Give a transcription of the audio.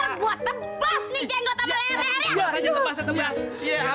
ntar gua tebas nih jenggot sama leher leher